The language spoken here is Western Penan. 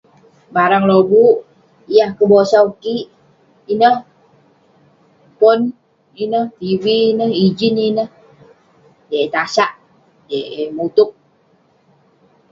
Barang lobuk yah kebosau kik ineh, pon ineh, tv ineh, ijin ineh. Dei eh tasak, dei eh mutup.